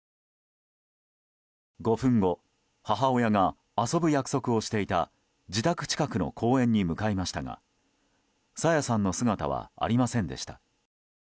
５分後、母親が遊ぶ約束をしていた自宅近くの公園に向かいましたが朝芽さんの姿はありませんでした。